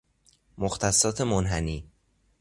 مختصات منحنی